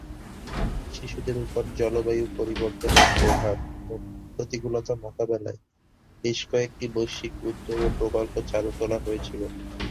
শিশুদের উপর জলবায়ু পরিবর্তনের প্রভাব ও প্রতিকূলতা মোকাবেলায় বেশ কয়েকটি বৈশ্বিক উদ্যোগ ও প্রকল্প চালু করা হয়েছিল।